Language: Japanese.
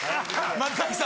松崎さん。